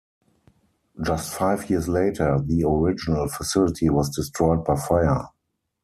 Just five years later, the original facility was destroyed by fire.